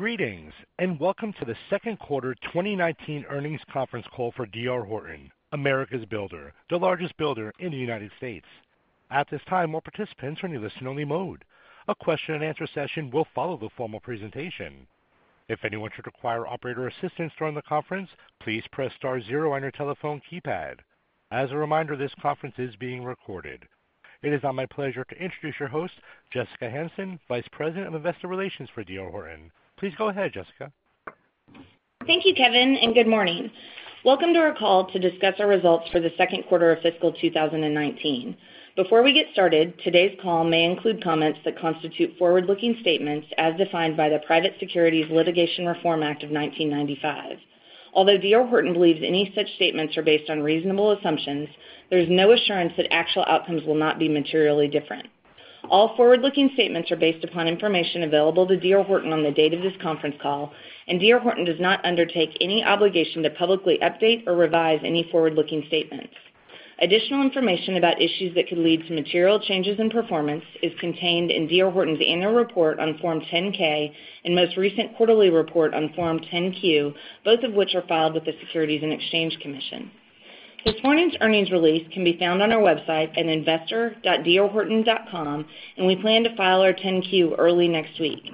Greetings, welcome to the second quarter 2019 earnings conference call for D.R. Horton, America's builder, the largest builder in the United States. At this time, all participants are in a listen-only mode. A question and answer session will follow the formal presentation. If anyone should require operator assistance during the conference, please press star zero on your telephone keypad. As a reminder, this conference is being recorded. It is now my pleasure to introduce your host, Jessica Hansen, Vice President of Investor Relations for D.R. Horton. Please go ahead, Jessica. Thank you, Kevin, and good morning. Welcome to our call to discuss our results for the second quarter of fiscal 2019. Before we get started, today's call may include comments that constitute forward-looking statements as defined by the Private Securities Litigation Reform Act of 1995. Although D.R. Horton believes any such statements are based on reasonable assumptions, there's no assurance that actual outcomes will not be materially different. All forward-looking statements are based upon information available to D.R. Horton on the date of this conference call. D.R. Horton does not undertake any obligation to publicly update or revise any forward-looking statements. Additional information about issues that could lead to material changes in performance is contained in D.R. Horton's annual report on Form 10-K and most recent quarterly report on Form 10-Q, both of which are filed with the Securities and Exchange Commission. This morning's earnings release can be found on our website at investor.drhorton.com. We plan to file our 10-Q early next week.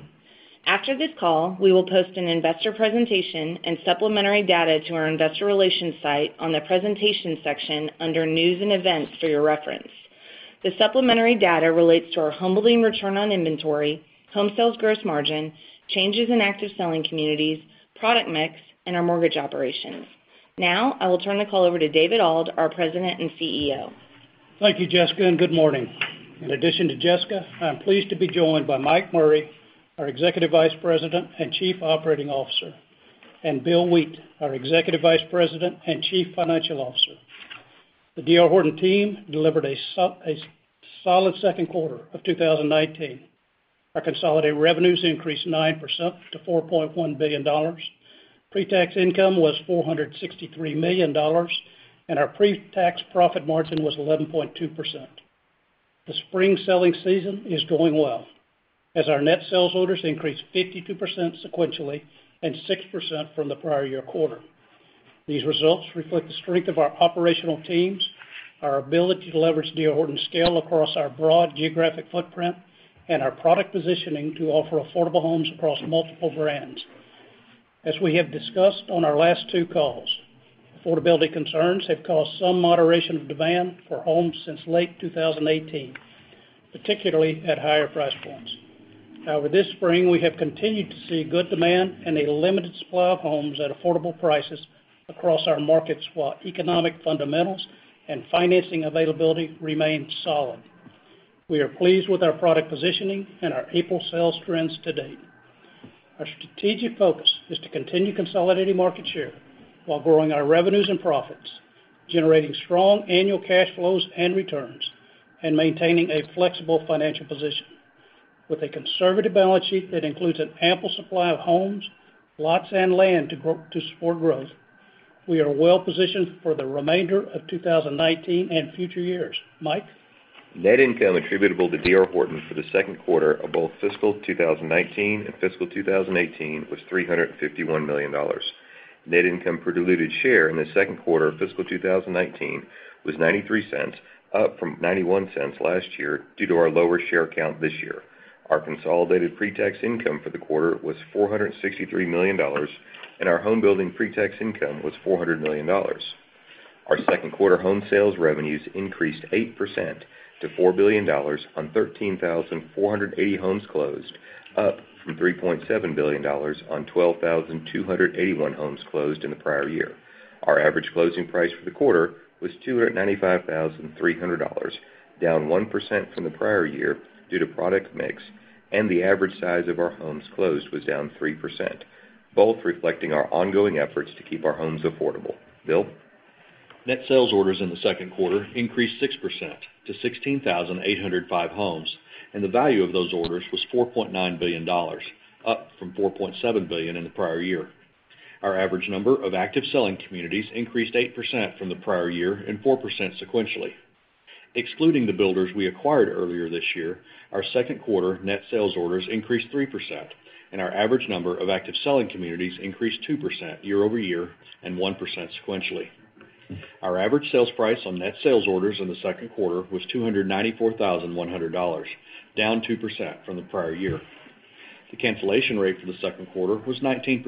After this call, we will post an investor presentation and supplementary data to our investor relations site on the presentations section under news and events for your reference. The supplementary data relates to our homebuilding return on inventory, home sales gross margin, changes in active selling communities, product mix, and our mortgage operations. I will turn the call over to David Auld, our President and CEO. Thank you, Jessica, and good morning. In addition to Jessica, I am pleased to be joined by Mike Murray, our Executive Vice President and Chief Operating Officer, and Bill Wheat, our Executive Vice President and Chief Financial Officer. The D.R. Horton team delivered a solid second quarter of 2019. Our consolidated revenues increased 9% to $4.1 billion. Pre-tax income was $463 million. Our pre-tax profit margin was 11.2%. The spring selling season is going well, as our net sales orders increased 52% sequentially and 6% from the prior year quarter. These results reflect the strength of our operational teams, our ability to leverage D.R. Horton's scale across our broad geographic footprint, and our product positioning to offer affordable homes across multiple brands. As we have discussed on our last two calls, affordability concerns have caused some moderation of demand for homes since late 2018, particularly at higher price points. However, this spring, we have continued to see good demand and a limited supply of homes at affordable prices across our markets while economic fundamentals and financing availability remain solid. We are pleased with our product positioning and our April sales trends to date. Our strategic focus is to continue consolidating market share while growing our revenues and profits, generating strong annual cash flows and returns, and maintaining a flexible financial position. With a conservative balance sheet that includes an ample supply of homes, lots and land to support growth, we are well-positioned for the remainder of 2019 and future years. Mike? Net income attributable to D.R. Horton for the second quarter of both fiscal 2019 and fiscal 2018 was $351 million. Net income per diluted share in the second quarter of fiscal 2019 was $0.93, up from $0.91 last year due to our lower share count this year. Our consolidated pre-tax income for the quarter was $463 million, and our home building pre-tax income was $400 million. Our second quarter home sales revenues increased 8% to $4 billion on 13,480 homes closed, up from $3.7 billion on 12,281 homes closed in the prior year. Our average closing price for the quarter was $295,300, down 1% from the prior year due to product mix, and the average size of our homes closed was down 3%, both reflecting our ongoing efforts to keep our homes affordable. Bill? Net sales orders in the second quarter increased 6% to 16,805 homes, and the value of those orders was $4.9 billion, up from $4.7 billion in the prior year. Our average number of active selling communities increased 8% from the prior year and 4% sequentially. Excluding the builders we acquired earlier this year, our second quarter net sales orders increased 3%, and our average number of active selling communities increased 2% year-over-year and 1% sequentially. Our average sales price on net sales orders in the second quarter was $294,100, down 2% from the prior year. The cancellation rate for the second quarter was 19%,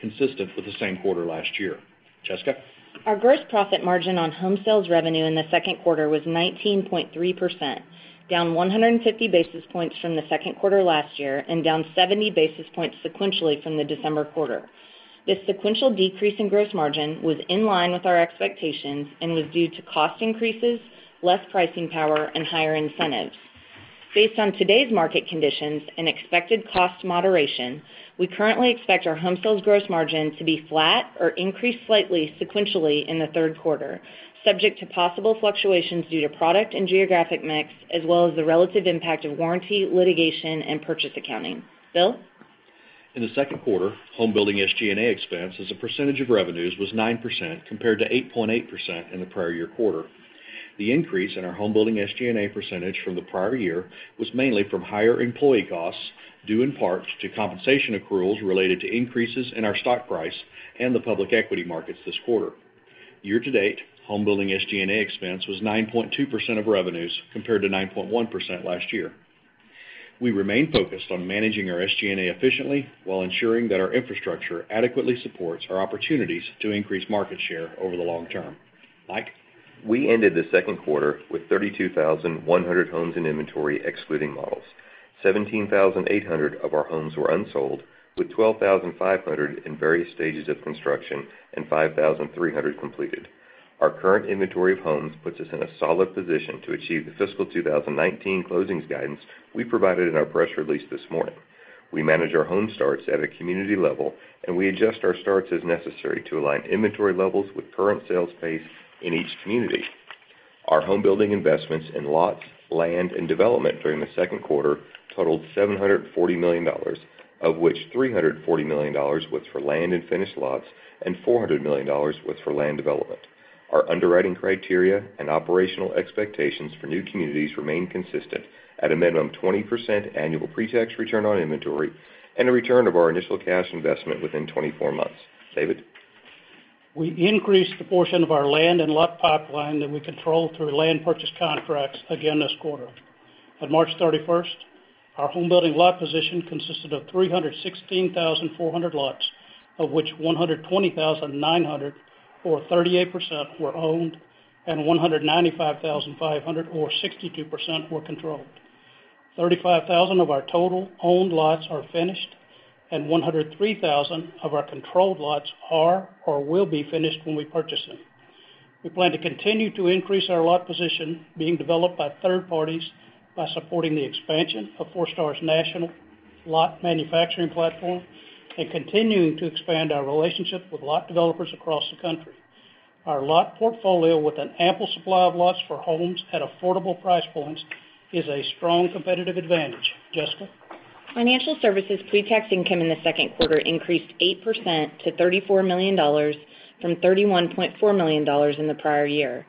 consistent with the same quarter last year. Jessica? Our gross profit margin on home sales revenue in the second quarter was 19.3%, down 150 basis points from the second quarter last year and down 70 basis points sequentially from the December quarter. This sequential decrease in gross margin was in line with our expectations and was due to cost increases, less pricing power, and higher incentives. Based on today's market conditions and expected cost moderation, we currently expect our home sales gross margin to be flat or increase slightly sequentially in the third quarter, subject to possible fluctuations due to product and geographic mix, as well as the relative impact of warranty, litigation, and purchase accounting. Bill? In the second quarter, homebuilding SG&A expense as a percentage of revenues was 9% compared to 8.8% in the prior year quarter. The increase in our homebuilding SG&A percentage from the prior year was mainly from higher employee costs, due in part to compensation accruals related to increases in our stock price and the public equity markets this quarter. Year-to-date, homebuilding SG&A expense was 9.2% of revenues, compared to 9.1% last year. We remain focused on managing our SG&A efficiently while ensuring that our infrastructure adequately supports our opportunities to increase market share over the long term. Mike? We ended the second quarter with 32,100 homes in inventory, excluding models. 17,800 of our homes were unsold, with 12,500 in various stages of construction and 5,300 completed. Our current inventory of homes puts us in a solid position to achieve the fiscal 2019 closings guidance we provided in our press release this morning. We adjust our starts as necessary to align inventory levels with current sales pace in each community. Our homebuilding investments in lots, land, and development during the second quarter totaled $740 million, of which $340 million was for land and finished lots, and $400 million was for land development. Our underwriting criteria and operational expectations for new communities remain consistent at a minimum 20% annual pre-tax return on inventory and a return of our initial cash investment within 24 months. David? We increased the portion of our land and lot pipeline that we control through land purchase contracts again this quarter. At March 31st, our homebuilding lot position consisted of 316,400 lots, of which 120,900, or 38%, were owned, and 195,500, or 62%, were controlled. 35,000 of our total owned lots are finished, and 103,000 of our controlled lots are or will be finished when we purchase them. We plan to continue to increase our lot position being developed by third parties by supporting the expansion of Forestar's national lot manufacturing platform and continuing to expand our relationship with lot developers across the country. Our lot portfolio with an ample supply of lots for homes at affordable price points is a strong competitive advantage. Jessica? Financial services pre-tax income in the second quarter increased 8% to $34 million from $31.4 million in the prior year.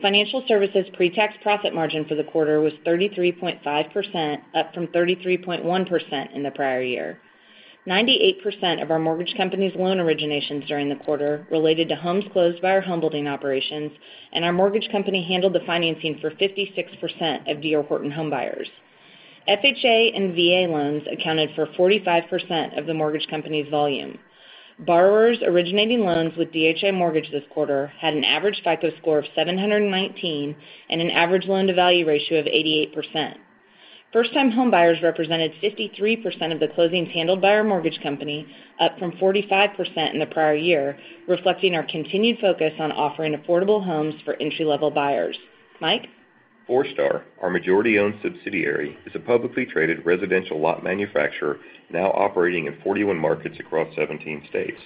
Financial services pre-tax profit margin for the quarter was 33.5%, up from 33.1% in the prior year. 98% of our mortgage company's loan originations during the quarter related to homes closed by our homebuilding operations. Our mortgage company handled the financing for 56% of D.R. Horton home buyers. FHA and VA loans accounted for 45% of the mortgage company's volume. Borrowers originating loans with DHI Mortgage this quarter had an average FICO score of 719 and an average loan-to-value ratio of 88%. First-time homebuyers represented 53% of the closings handled by our mortgage company, up from 45% in the prior year, reflecting our continued focus on offering affordable homes for entry-level buyers. Mike? Forestar, our majority-owned subsidiary, is a publicly traded residential lot manufacturer now operating in 41 markets across 17 states.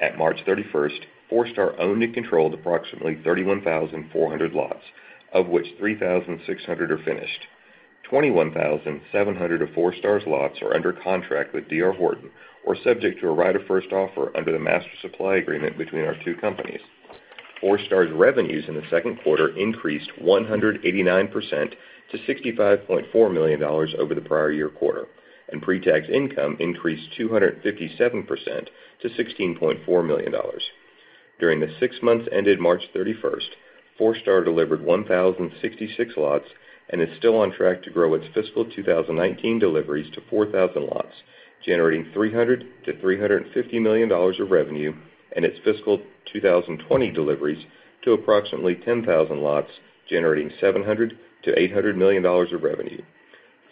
At March 31st, Forestar owned and controlled approximately 31,400 lots, of which 3,600 are finished. 21,700 of Forestar's lots are under contract with D.R. Horton or subject to a right of first offer under the master supply agreement between our two companies. Forestar's revenues in the second quarter increased 189% to $65.4 million over the prior year quarter, and pre-tax income increased 257% to $16.4 million. During the six months ended March 31st, Forestar delivered 1,066 lots and is still on track to grow its fiscal 2019 deliveries to 4,000 lots, generating $300 million to $350 million of revenue and its fiscal 2020 deliveries to approximately 10,000 lots, generating $700 million to $800 million of revenue.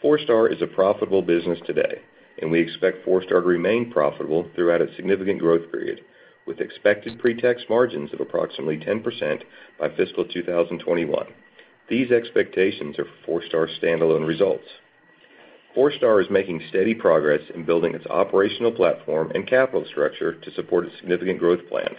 Forestar is a profitable business today, and we expect Forestar to remain profitable throughout its significant growth period with expected pre-tax margins of approximately 10% by fiscal 2021. These expectations are for Forestar standalone results. Forestar is making steady progress in building its operational platform and capital structure to support its significant growth plans.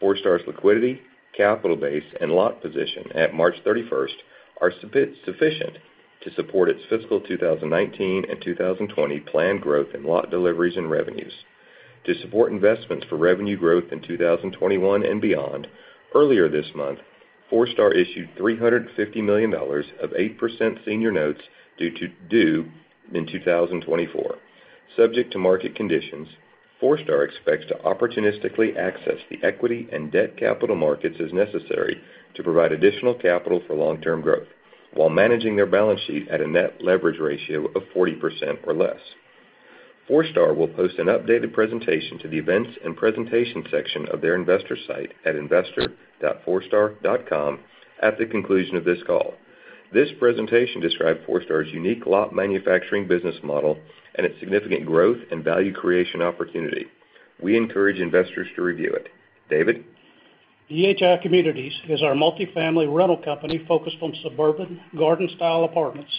Forestar's liquidity, capital base, and lot position at March 31st are sufficient to support its fiscal 2019 and 2020 planned growth in lot deliveries and revenues. To support investments for revenue growth in 2021 and beyond, earlier this month, Forestar issued $350 million of 8% senior notes due in 2024. Subject to market conditions, Forestar expects to opportunistically access the equity and debt capital markets as necessary to provide additional capital for long-term growth while managing their balance sheet at a net leverage ratio of 40% or less. Forestar will post an updated presentation to the events and presentation section of their investor site at investor.forestar.com at the conclusion of this call. This presentation describes Forestar's unique lot manufacturing business model and its significant growth and value creation opportunity. We encourage investors to review it. David? DHI Communities is our multifamily rental company focused on suburban garden-style apartments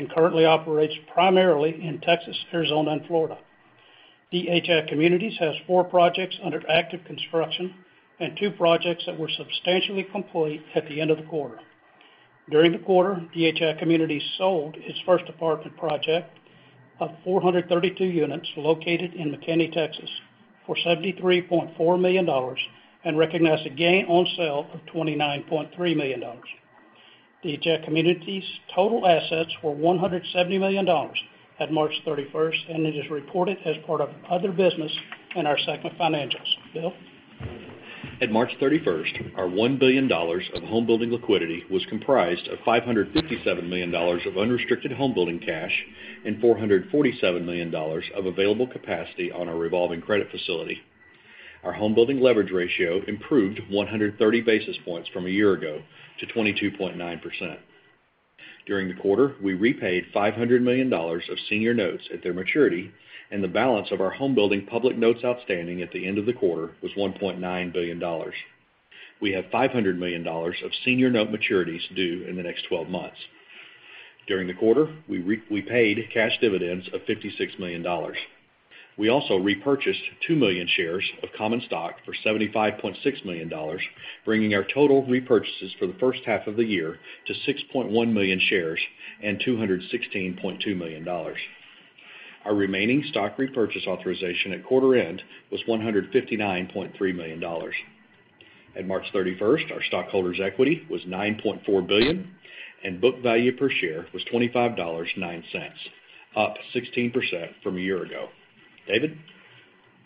and currently operates primarily in Texas, Arizona, and Florida. DHI Communities has four projects under active construction and two projects that were substantially complete at the end of the quarter. During the quarter, DHI Communities sold its first apartment project of 432 units located in McKinney, Texas for $73.4 million and recognized a gain on sale of $29.3 million. DHI Communities' total assets were $170 million at March 31st, and it is reported as part of other business in our segment financials. Bill? At March 31st, our $1 billion of home building liquidity was comprised of $557 million of unrestricted home building cash and $447 million of available capacity on our revolving credit facility. Our home building leverage ratio improved 130 basis points from a year ago to 22.9%. During the quarter, we repaid $500 million of senior notes at their maturity, the balance of our home building public notes outstanding at the end of the quarter was $1.9 billion. We have $500 million of senior note maturities due in the next 12 months. During the quarter, we paid cash dividends of $56 million. We also repurchased 2 million shares of common stock for $75.6 million, bringing our total repurchases for the first half of the year to 6.1 million shares and $216.2 million. Our remaining stock repurchase authorization at quarter end was $159.3 million. At March 31st, our stockholders' equity was $9.4 billion, book value per share was $25.09, up 16% from a year ago. David?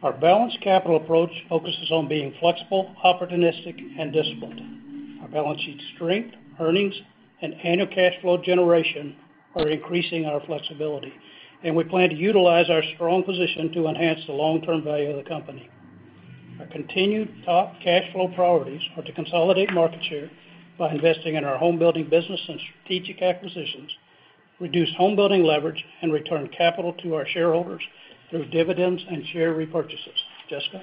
Our balanced capital approach focuses on being flexible, opportunistic, and disciplined. Our balance sheet strength, earnings, and annual cash flow generation are increasing our flexibility. We plan to utilize our strong position to enhance the long-term value of the company. Our continued top cash flow priorities are to consolidate market share by investing in our home building business and strategic acquisitions, reduce home building leverage, and return capital to our shareholders through dividends and share repurchases. Jessica?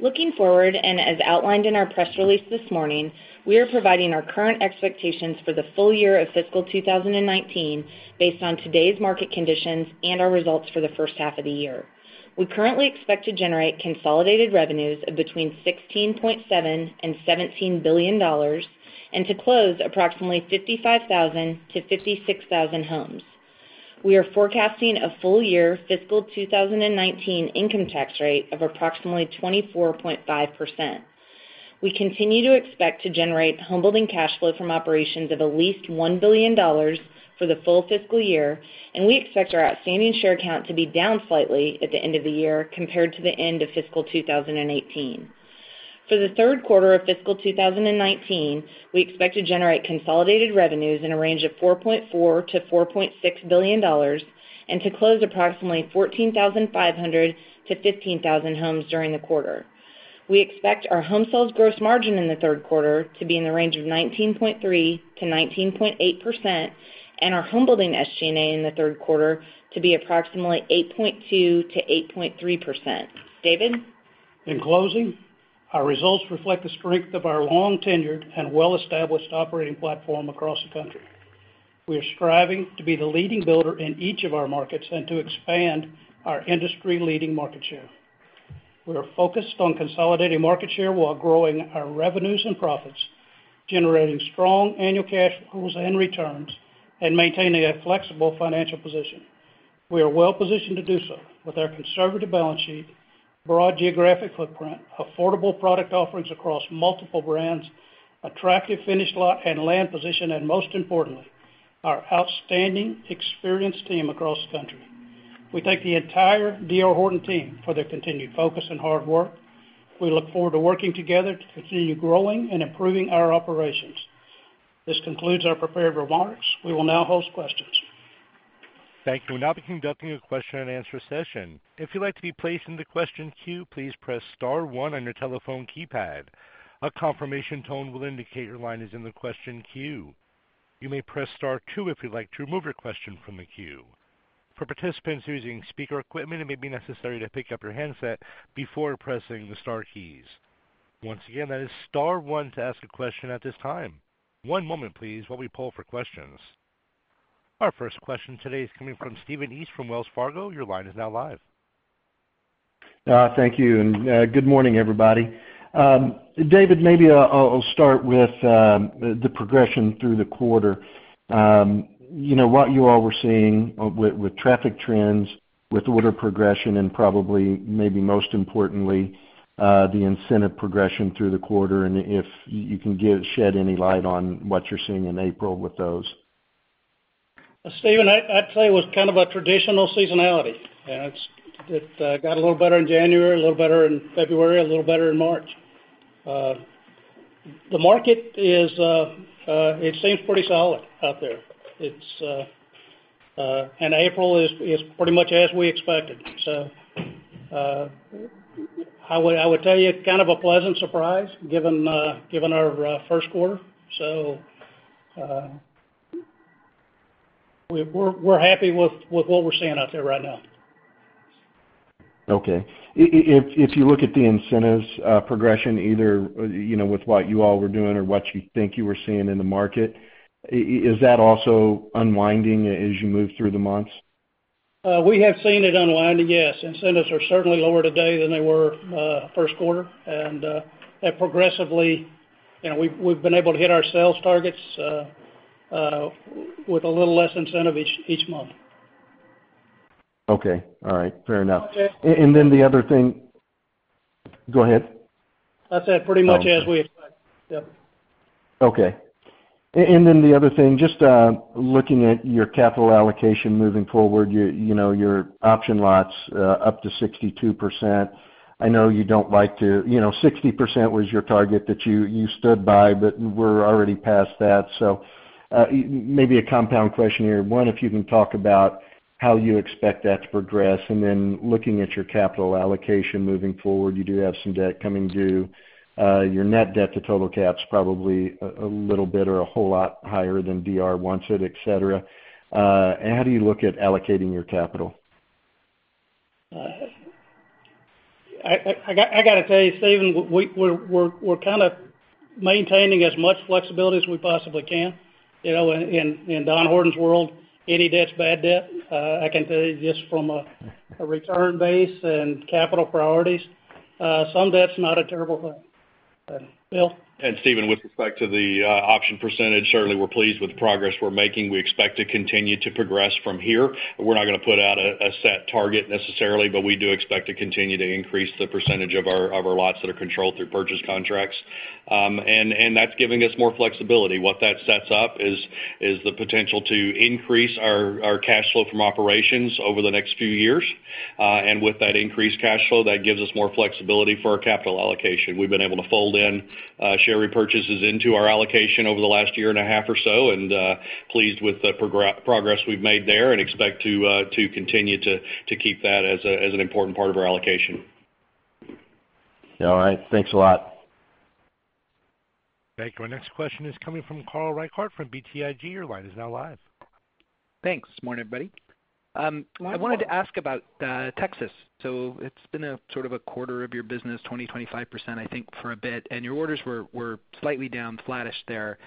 Looking forward, as outlined in our press release this morning, we are providing our current expectations for the full year of fiscal 2019 based on today's market conditions and our results for the first half of the year. We currently expect to generate consolidated revenues of between $16.7 billion and $17 billion, and to close approximately 55,000 to 56,000 homes. We are forecasting a full year fiscal 2019 income tax rate of approximately 24.5%. We continue to expect to generate home building cash flow from operations of at least $1 billion for the full fiscal year, and we expect our outstanding share count to be down slightly at the end of the year compared to the end of fiscal 2018. For the third quarter of fiscal 2019, we expect to generate consolidated revenues in a range of $4.4 billion-$4.6 billion and to close approximately 14,500-15,000 homes during the quarter. We expect our home sales gross margin in the third quarter to be in the range of 19.3%-19.8%, and our home building SG&A in the third quarter to be approximately 8.2%-8.3%. David? In closing, our results reflect the strength of our long-tenured and well-established operating platform across the country. We are striving to be the leading builder in each of our markets and to expand our industry-leading market share. We are focused on consolidating market share while growing our revenues and profits, generating strong annual cash flows and returns, and maintaining a flexible financial position. We are well positioned to do so with our conservative balance sheet, broad geographic footprint, affordable product offerings across multiple brands, attractive finished lot and land position, and most importantly, our outstanding experienced team across the country. We thank the entire D.R. Horton team for their continued focus and hard work. We look forward to working together to continue growing and improving our operations. This concludes our prepared remarks. We will now host questions. Thank you. We'll now be conducting a question and answer session. If you'd like to be placed in the question queue, please press *1 on your telephone keypad. A confirmation tone will indicate your line is in the question queue. You may press *2 if you'd like to remove your question from the queue. For participants using speaker equipment, it may be necessary to pick up your handset before pressing the star keys. Once again, that is *1 to ask a question at this time. One moment, please, while we poll for questions. Our first question today is coming from Stephen East from Wells Fargo. Your line is now live. Thank you. Good morning, everybody. David, maybe I'll start with the progression through the quarter. What you all were seeing with traffic trends, with order progression, and probably maybe most importantly, the incentive progression through the quarter, and if you can shed any light on what you're seeing in April with those. Stephen, I'd say it was kind of a traditional seasonality. It got a little better in January, a little better in February, a little better in March. The market seems pretty solid out there. April is pretty much as we expected. I would tell you it's kind of a pleasant surprise given our first quarter. We're happy with what we're seeing out there right now. Okay. If you look at the incentives progression, either with what you all were doing or what you think you were seeing in the market, is that also unwinding as you move through the months? We have seen it unwind, yes. Incentives are certainly lower today than they were first quarter. Progressively, we've been able to hit our sales targets with a little less incentive each month. Okay. All right. Fair enough. Okay. The other thing. Go ahead. That's it. Pretty much as we expect. Yep. Okay. The other thing, just looking at your capital allocation moving forward, your option lots up to 62%. I know you don't like to, 60% was your target that you stood by. We're already past that. Maybe a compound question here. One, if you can talk about how you expect that to progress, and then looking at your capital allocation moving forward, you do have some debt coming due. Your net debt to total cap's probably a little bit or a whole lot higher than DR wants it, et cetera. How do you look at allocating your capital? I got to tell you, Stephen, we're kind of maintaining as much flexibility as we possibly can. In Don Horton's world, any debt's bad debt. I can tell you just from a return base and capital priorities, some debt's not a terrible thing. Bill? Stephen, with respect to the option percentage, certainly we're pleased with the progress we're making. We expect to continue to progress from here. We're not going to put out a set target necessarily, but we do expect to continue to increase the percentage of our lots that are controlled through purchase contracts. That's giving us more flexibility. What that sets up is the potential to increase our cash flow from operations over the next few years. With that increased cash flow, that gives us more flexibility for our capital allocation. We've been able to fold in share repurchases into our allocation over the last year and a half or so, and pleased with the progress we've made there and expect to continue to keep that as an important part of our allocation. All right. Thanks a lot. Thank you. Our next question is coming from Carl Reichardt from BTIG. Your line is now live. Thanks. Good morning, everybody. Morning, Carl. I wanted to ask about Texas. It's been a sort of a quarter of your business 20, 25%, I think for a bit, your orders were slightly down, flattish there.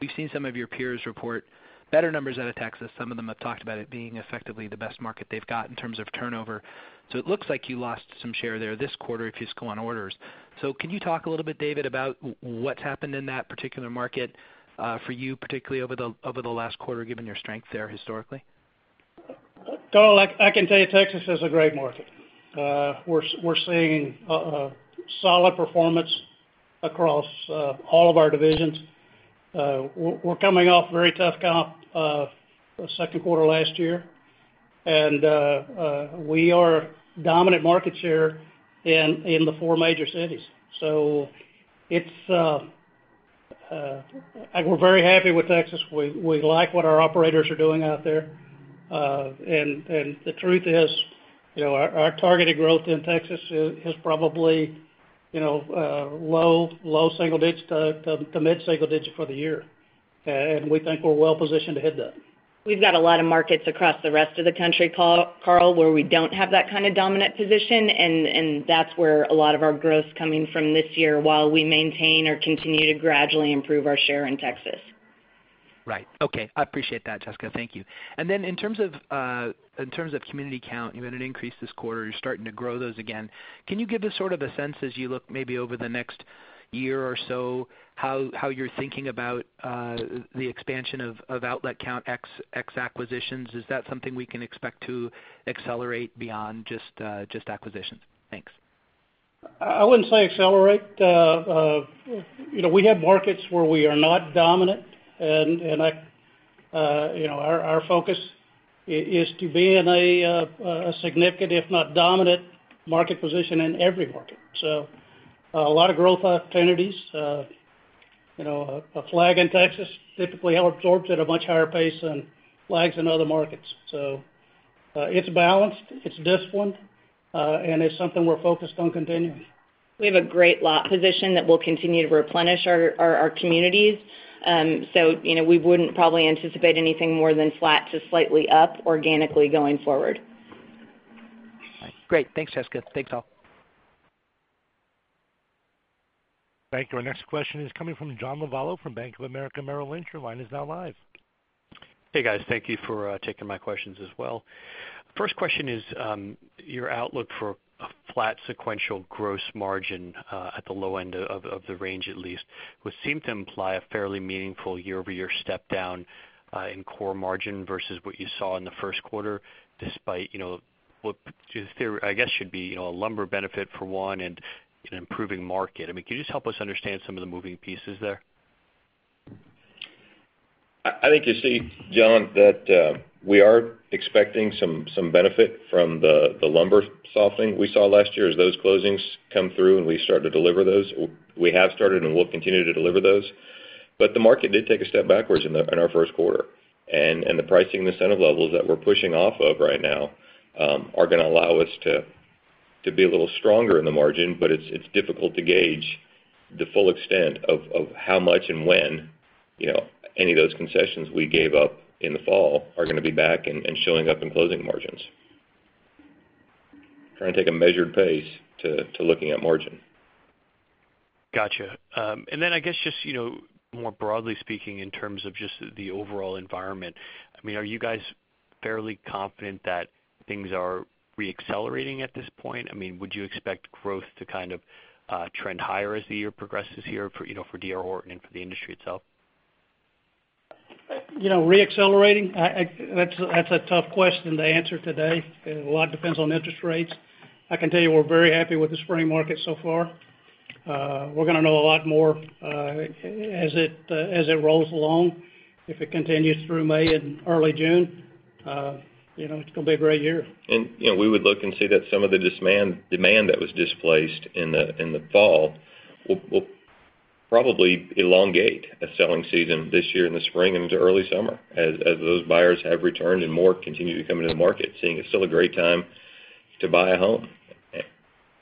We've seen some of your peers report better numbers out of Texas. Some of them have talked about it being effectively the best market they've got in terms of turnover. It looks like you lost some share there this quarter if you just go on orders. Can you talk a little bit, David, about what's happened in that particular market for you, particularly over the last quarter, given your strength there historically? Carl, I can tell you Texas is a great market. We're seeing a solid performance across all of our divisions. We're coming off a very tough comp second quarter last year, we are dominant market share in the four major cities. We're very happy with Texas. We like what our operators are doing out there. The truth is our targeted growth in Texas is probably low single digits to mid-single digit for the year. We think we're well positioned to hit that. We've got a lot of markets across the rest of the country, Carl, where we don't have that kind of dominant position, that's where a lot of our growth's coming from this year while we maintain or continue to gradually improve our share in Texas. Right. Okay. I appreciate that, Jessica. Thank you. In terms of community count, you had an increase this quarter, you're starting to grow those again. Can you give us sort of a sense as you look maybe over the next year or so, how you're thinking about the expansion of outlet count ex acquisitions? Is that something we can expect to accelerate beyond just acquisitions? Thanks. I wouldn't say accelerate. We have markets where we are not dominant, and our focus is to be in a significant, if not dominant, market position in every market. A lot of growth opportunities. A flag in Texas typically absorbs at a much higher pace than flags in other markets. It's balanced, it's disciplined, and it's something we're focused on continuing. We have a great lot position that will continue to replenish our communities. We wouldn't probably anticipate anything more than flat to slightly up organically going forward. All right. Great. Thanks, Jessica. Thanks, all. Thank you. Our next question is coming from John Lovallo from Bank of America Merrill Lynch. Your line is now live. Hey, guys. Thank you for taking my questions as well. First question is your outlook for a flat sequential gross margin at the low end of the range, at least, would seem to imply a fairly meaningful year-over-year step down in core margin versus what you saw in the first quarter, despite what I guess should be a lumber benefit for one and an improving market. Can you just help us understand some of the moving pieces there? I think you see, John, that we are expecting some benefit from the lumber softening we saw last year as those closings come through and we start to deliver those. We have started and will continue to deliver those. The market did take a step backwards in our first quarter. The pricing incentive levels that we're pushing off of right now are going to allow us to be a little stronger in the margin, but it's difficult to gauge the full extent of how much and when any of those concessions we gave up in the fall are going to be back and showing up in closing margins. Trying to take a measured pace to looking at margin. Gotcha. I guess just more broadly speaking in terms of just the overall environment, are you guys fairly confident that things are re-accelerating at this point? Would you expect growth to kind of trend higher as the year progresses here for D.R. Horton and for the industry itself? Re-accelerating? That is a tough question to answer today. A lot depends on interest rates. I can tell you we are very happy with the spring market so far. We are going to know a lot more as it rolls along. If it continues through May and early June, it is going to be a great year. We would look and see that some of the demand that was displaced in the fall will probably elongate a selling season this year in the spring and into early summer, as those buyers have returned and more continue to come into the market, seeing it is still a great time to buy a home.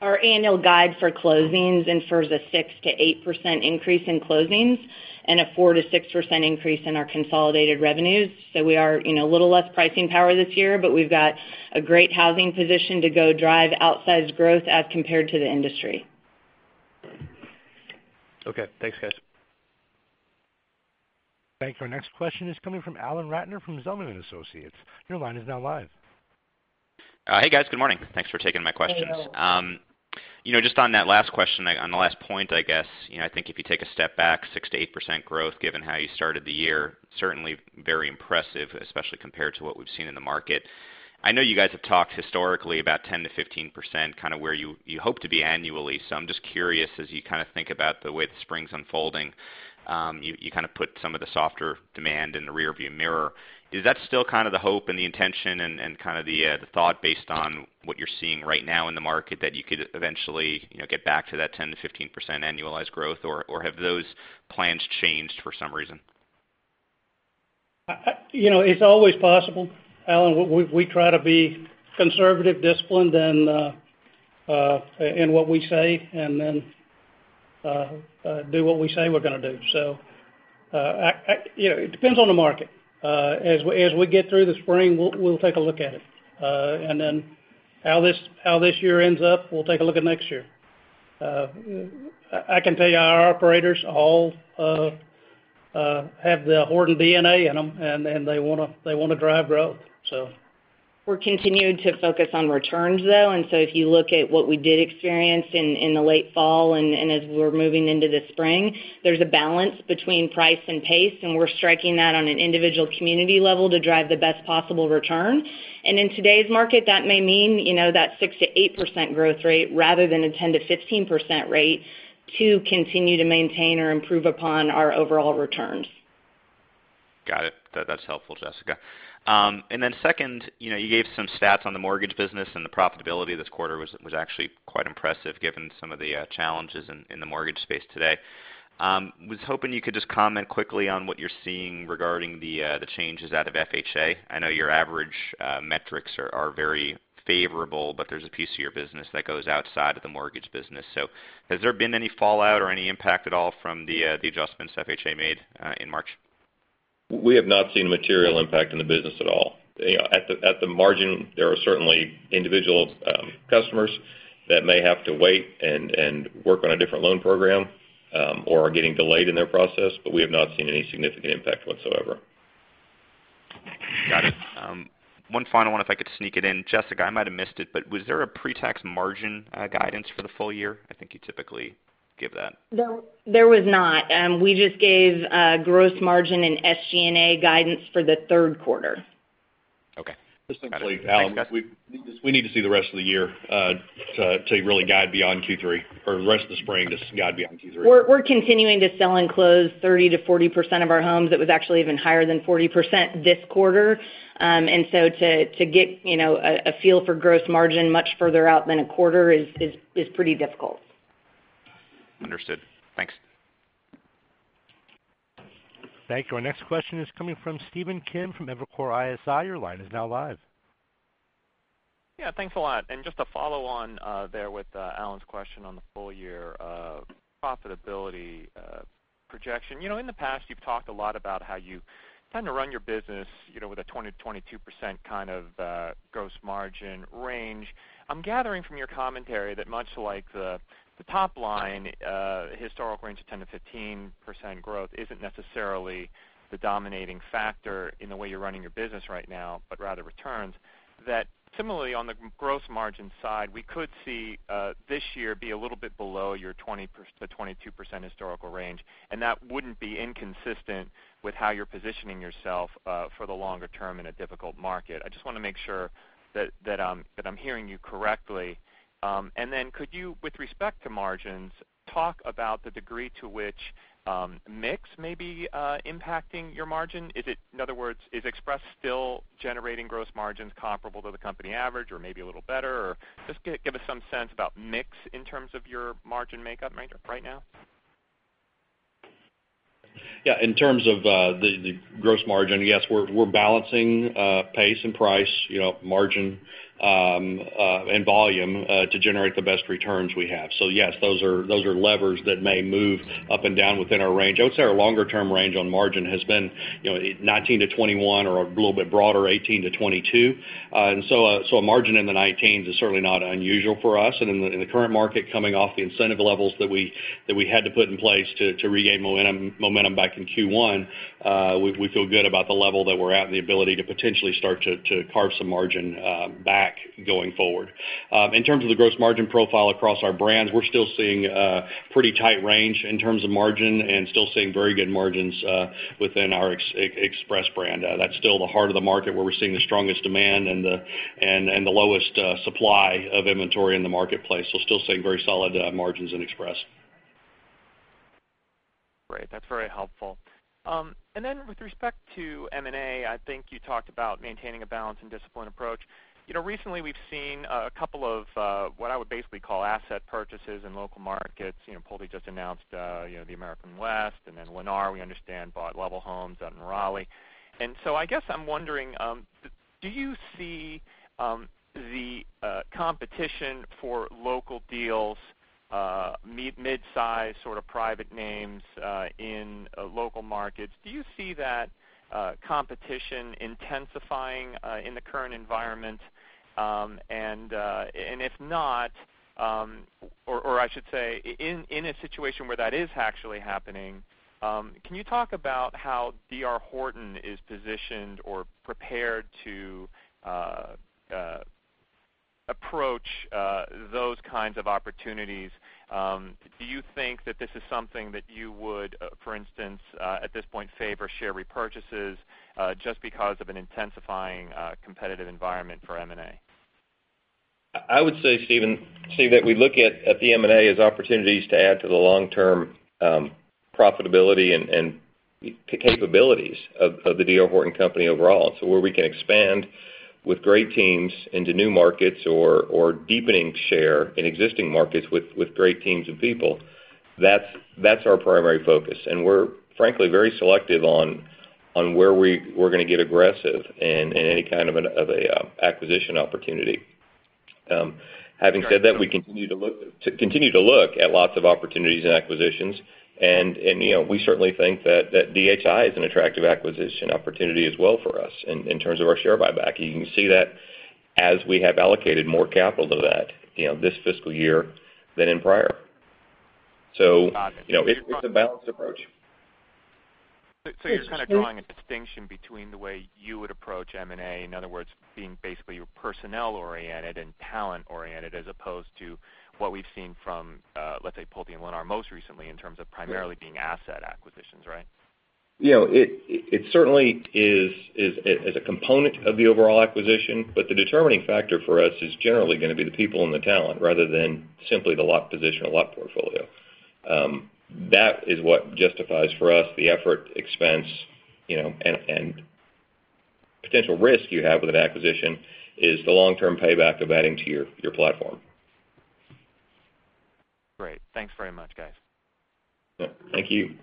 Our annual guide for closings infers a 6%-8% increase in closings and a 4%-6% increase in our consolidated revenues. We are a little less pricing power this year, but we have got a great housing position to go drive outsized growth as compared to the industry. Okay, thanks, guys. Thank you. Our next question is coming from Alan Ratner from Zelman & Associates. Your line is now live. Hey, guys. Good morning. Thanks for taking my questions. Hey, Alan. Just on that last question, on the last point, I guess, I think if you take a step back, 6%-8% growth, given how you started the year, certainly very impressive, especially compared to what we've seen in the market. I know you guys have talked historically about 10%-15% kind of where you hope to be annually. I'm just curious, as you kind of think about the way the spring's unfolding, you kind of put some of the softer demand in the rear view mirror. Is that still kind of the hope and the intention and kind of the thought based on what you're seeing right now in the market, that you could eventually get back to that 10%-15% annualized growth, or have those plans changed for some reason? It's always possible, Alan. We try to be conservative, disciplined in what we say, and then do what we say we're going to do. It depends on the market. As we get through the spring, we'll take a look at it. How this year ends up, we'll take a look at next year. I can tell you our operators all have the Horton DNA in them, and they want to drive growth. We're continuing to focus on returns, though. If you look at what we did experience in the late fall and as we're moving into the spring, there's a balance between price and pace, and we're striking that on an individual community level to drive the best possible return. In today's market, that may mean that 6%-8% growth rate rather than a 10%-15% rate to continue to maintain or improve upon our overall returns. Got it. That's helpful, Jessica. Second, you gave some stats on the mortgage business, and the profitability this quarter was actually quite impressive given some of the challenges in the mortgage space today. Was hoping you could just comment quickly on what you're seeing regarding the changes out of FHA. I know your average metrics are very favorable, but there's a piece of your business that goes outside of the mortgage business. Has there been any fallout or any impact at all from the adjustments FHA made in March? We have not seen a material impact in the business at all. At the margin, there are certainly individual customers that may have to wait and work on a different loan program or are getting delayed in their process, but we have not seen any significant impact whatsoever. Got it. One final one if I could sneak it in. Jessica, I might have missed it, but was there a pre-tax margin guidance for the full year? I think you typically give that. No, there was not. We just gave gross margin and SG&A guidance for the third quarter. Okay. Got it. Just simply, Alan, we need to see the rest of the year to really guide beyond Q3, or the rest of the spring to guide beyond Q3. We're continuing to sell and close 30%-40% of our homes. It was actually even higher than 40% this quarter. So to get a feel for gross margin much further out than a quarter is pretty difficult. Understood. Thanks. Thank you. Our next question is coming from Stephen Kim from Evercore ISI. Your line is now live. Yeah, thanks a lot. Just to follow on there with Alan's question on the full year profitability projection. In the past, you've talked a lot about how you tend to run your business with a 20%-22% kind of gross margin range. I'm gathering from your commentary that much like the top line historical range of 10%-15% growth isn't necessarily the dominating factor in the way you're running your business right now, but rather returns, that similarly on the gross margin side, we could see this year be a little bit below your 20%-22% historical range, and that wouldn't be inconsistent with how you're positioning yourself for the longer term in a difficult market. I just want to make sure that I'm hearing you correctly. Could you, with respect to margins, talk about the degree to which mix may be impacting your margin? In other words, is Express still generating gross margins comparable to the company average or maybe a little better? Just give us some sense about mix in terms of your margin makeup right now. In terms of the gross margin, yes, we're balancing pace and price, margin, and volume to generate the best returns we have. Yes, those are levers that may move up and down within our range. I would say our longer-term range on margin has been 19%-21% or a little bit broader, 18%-22%. A margin in the 19s is certainly not unusual for us. In the current market, coming off the incentive levels that we had to put in place to regain momentum back in Q1, we feel good about the level that we're at and the ability to potentially start to carve some margin back going forward. In terms of the gross margin profile across our brands, we're still seeing a pretty tight range in terms of margin and still seeing very good margins within our Express brand. That's still the heart of the market where we're seeing the strongest demand and the lowest supply of inventory in the marketplace. Still seeing very solid margins in Express. Great. That's very helpful. With respect to M&A, I think you talked about maintaining a balance and disciplined approach. Recently, we've seen a couple of what I would basically call asset purchases in local markets. Pulte just announced American West Homes, then Lennar, we understand, bought Level Homes out in Raleigh. I guess I'm wondering, do you see the competition for local deals, mid-size sort of private names in local markets? Do you see that competition intensifying in the current environment? If not, or I should say, in a situation where that is actually happening, can you talk about how D.R. Horton is positioned or prepared to approach those kinds of opportunities? Do you think that this is something that you would, for instance, at this point favor share repurchases, just because of an intensifying competitive environment for M&A? I would say, Stephen, that we look at the M&A as opportunities to add to the long-term profitability and capabilities of the D.R. Horton overall. Where we can expand with great teams into new markets or deepening share in existing markets with great teams of people, that's our primary focus. We're frankly very selective on where we're going to get aggressive in any kind of an acquisition opportunity. Having said that, we continue to look at lots of opportunities and acquisitions, and we certainly think that DHI is an attractive acquisition opportunity as well for us in terms of our share buyback. You can see that as we have allocated more capital to that this fiscal year than in prior. It's a balanced approach. You're kind of drawing a distinction between the way you would approach M&A, in other words, being basically personnel-oriented and talent-oriented, as opposed to what we've seen from, let's say, Pulte and Lennar most recently in terms of primarily being asset acquisitions, right? It certainly is a component of the overall acquisition, the determining factor for us is generally going to be the people and the talent rather than simply the lot position or lot portfolio. That is what justifies for us the effort, expense, and potential risk you have with an acquisition is the long-term payback of adding to your platform. Great. Thanks very much, guys. Yeah. Thank you.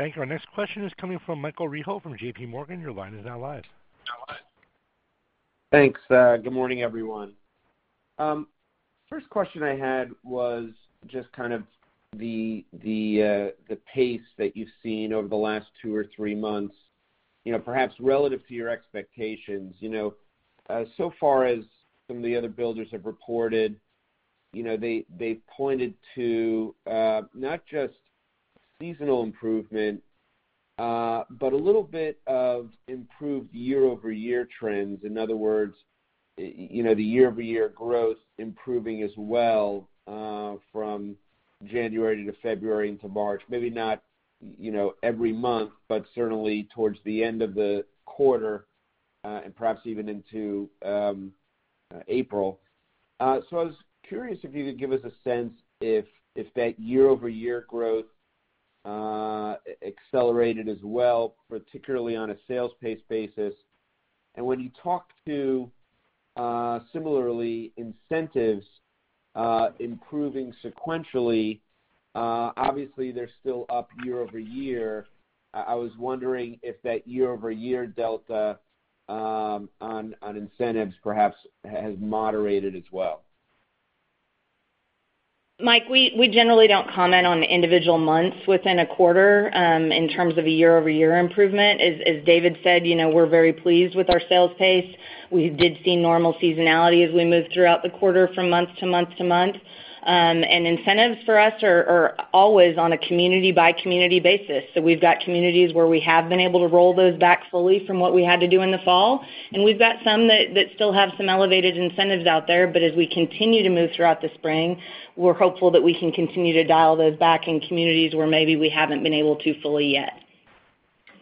Thank you. Our next question is coming from Michael Rehaut from J.P. Morgan. Your line is now live. Thanks. Good morning, everyone. First question I had was just kind of the pace that you've seen over the last two or three months perhaps relative to your expectations. As some of the other builders have reported, they pointed to not just seasonal improvement, but a little bit of improved year-over-year trends. In other words, the year-over-year growth improving as well from January to February into March, maybe not every month, but certainly towards the end of the quarter, and perhaps even into April. I was curious if you could give us a sense if that year-over-year growth accelerated as well, particularly on a sales pace basis. When you talk to similarly incentives improving sequentially, obviously they're still up year-over-year. I was wondering if that year-over-year delta on incentives perhaps has moderated as well. Mike, we generally don't comment on individual months within a quarter in terms of a year-over-year improvement. As David said, we're very pleased with our sales pace. We did see normal seasonality as we moved throughout the quarter from month to month to month. Incentives for us are always on a community-by-community basis. We've got communities where we have been able to roll those back fully from what we had to do in the fall. We've got some that still have some elevated incentives out there, but as we continue to move throughout the spring, we're hopeful that we can continue to dial those back in communities where maybe we haven't been able to fully yet.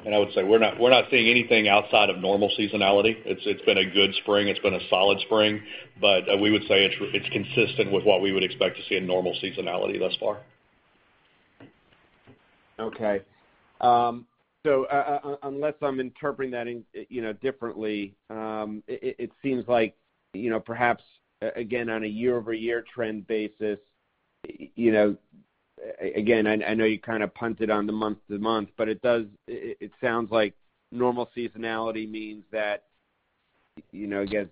I would say we're not seeing anything outside of normal seasonality. It's been a good spring. It's been a solid spring, we would say it's consistent with what we would expect to see in normal seasonality thus far. Okay. Unless I'm interpreting that differently, it seems like perhaps again, on a year-over-year trend basis, again, I know you kind of punted on the month-to-month, it sounds like normal seasonality means that, I guess,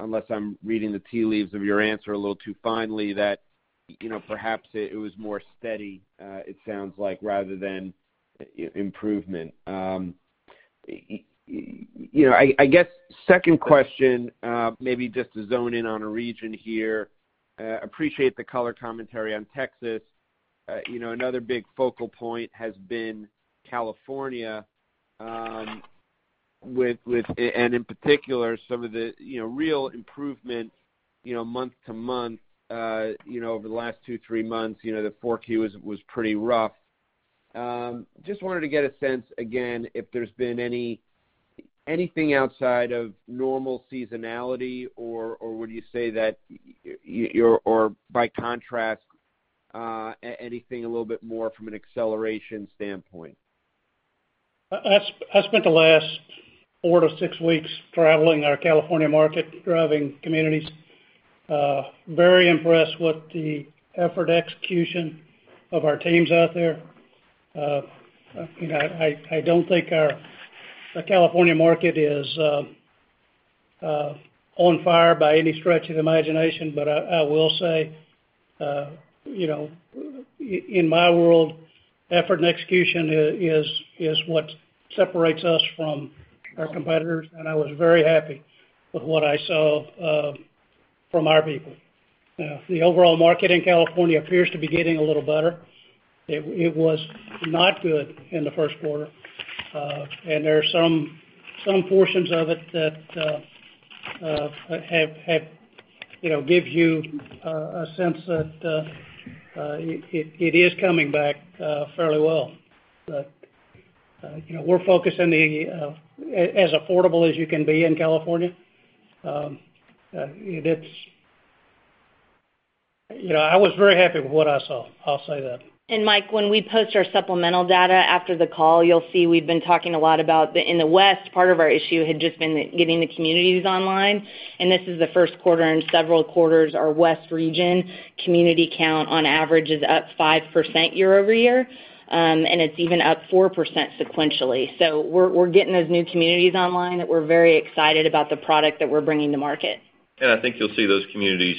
unless I'm reading the tea leaves of your answer a little too finely, that perhaps it was more steady, it sounds like, rather than improvement. I guess second question, maybe just to zone in on a region here. Appreciate the color commentary on Texas. Another big focal point has been California, and in particular, some of the real improvement month-to-month, over the last two, three months, the 4Q was pretty rough. Just wanted to get a sense, again, if there's been anything outside of normal seasonality or would you say that or by contrast, anything a little bit more from an acceleration standpoint? I spent the last four to six weeks traveling our California market, driving communities. Very impressed with the effort execution of our teams out there. I don't think our California market is on fire by any stretch of the imagination, I will say, in my world, effort and execution is what separates us from our competitors, and I was very happy with what I saw from our people. The overall market in California appears to be getting a little better. It was not good in the first quarter. There are some portions of it that give you a sense that it is coming back fairly well. We're focused in as affordable as you can be in California. I was very happy with what I saw, I'll say that. Mike, when we post our supplemental data after the call, you'll see we've been talking a lot about in the west, part of our issue had just been getting the communities online, this is the first quarter in several quarters, our west region community count on average is up 5% year-over-year. It's even up 4% sequentially. We're getting those new communities online that we're very excited about the product that we're bringing to market. I think you'll see those